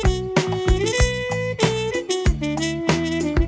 โปรดติดตามตอนต่อไป